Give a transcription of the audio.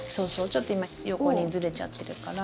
ちょっと今横にずれちゃってるから。